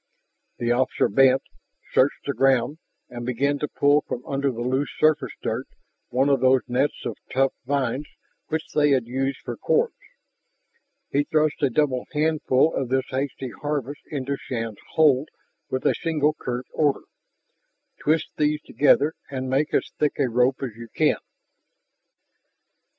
The officer bent, searched the ground, and began to pull from under the loose surface dirt one of those nets of tough vines which they had used for cords. He thrust a double handful of this hasty harvest into Shann's hold with a single curt order: "Twist these together and make as thick a rope as you can!"